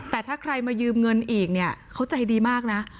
แต่ถ้าใครมายืมเงินอีกเนี่ยเขาใจดีมากนะ